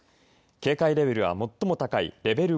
警戒レベルは最も高いレベル